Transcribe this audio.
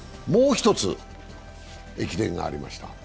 もう１つ、駅伝がありました。